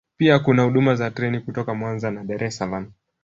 Pia kuna huduma za treni kutoka Mwanza na Dar es Salaam